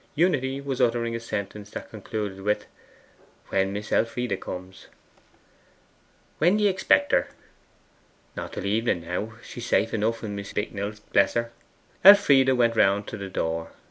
Unity was uttering a sentence that concluded with 'when Miss Elfride comes.' 'When d'ye expect her?' 'Not till evening now. She's safe enough at Miss Bicknell's, bless ye.' Elfride went round to the door.